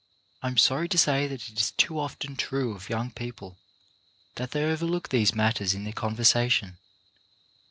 I am sorry to say that it is too often true of BEING RELIABLE 109 young people that they overlook these matters in their conversation.